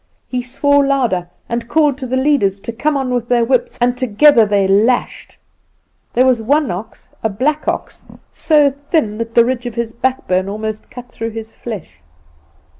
He swore louder and called to the leaders to come on with their whips, and together they lashed. There was one ox, a black ox, so thin that the ridge of his backbone almost cut through his flesh.